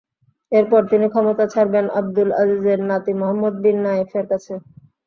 এরপর তিনি ক্ষমতা ছাড়বেন আবদুল আজিজের নাতি মোহাম্মদ বিন নায়েফের কাছে।